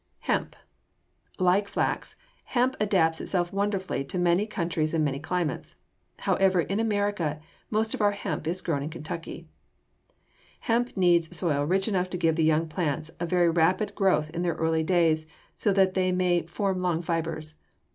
=Hemp.= Like flax, hemp adapts itself wonderfully to many countries and many climates. However, in America most of our hemp is grown in Kentucky. [Illustration: FIG. 219. CUTTING HEMP] Hemp needs soil rich enough to give the young plants a very rapid growth in their early days so that they may form long fibers.